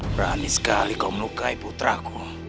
berani sekali kau melukai putraku